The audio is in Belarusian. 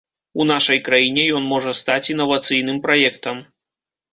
У нашай краіне ён можа стаць інавацыйным праектам.